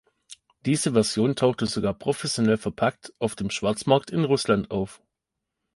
Diese Version tauchte sogar professionell verpackt auf dem Schwarzmarkt in Russland auf.